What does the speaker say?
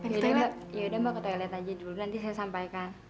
ya udah mbak ya udah mbak ke toilet aja dulu nanti saya sampaikan